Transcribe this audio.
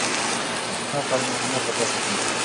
د بریښنا په اړه معلومات ترلاسه کړئ.